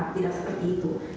tidak seperti itu